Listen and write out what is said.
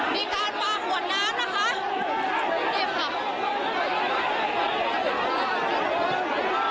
นี่ค่ะตำรวจกำลังขับด้านไทยทางแล้วกลับเข้าวัดนะคะ